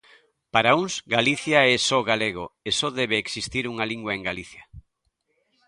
Para uns Galicia é só galego, e só debe existir unha lingua en Galicia.